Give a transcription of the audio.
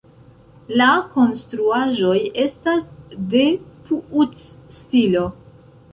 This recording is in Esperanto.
La konstruaĵoj estas de Puuc-stilo.